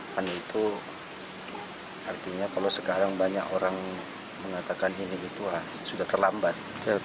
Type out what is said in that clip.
dan itu artinya kalau sekarang banyak orang mengatakan ini gitu sudah terlambat